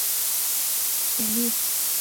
贺州市钟山县简介